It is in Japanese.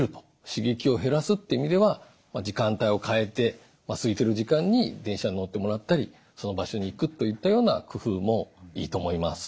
刺激を減らすっていう意味では時間帯を変えてすいてる時間に電車に乗ってもらったりその場所に行くといったような工夫もいいと思います。